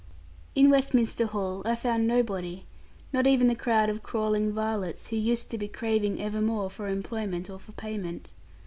In Westminster Hall I found nobody; not even the crowd of crawling varlets, who used to be craving evermore for employment or for payment.